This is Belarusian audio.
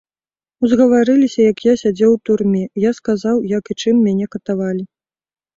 Узгаварыліся, як я сядзеў у турме, я сказаў, як і чым мяне катавалі.